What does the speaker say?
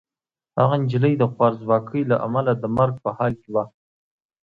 هغه نجلۍ د خوارځواکۍ له امله د مرګ په حال کې وه.